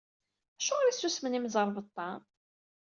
Acuɣer i susmen yimẓerbeṭṭa?